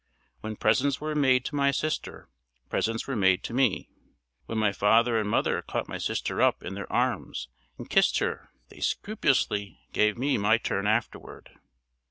When presents were made to my sister, presents were made to me. When my father and mother caught my sister up in their arms and kissed her they scrupulously gave me my turn afterward.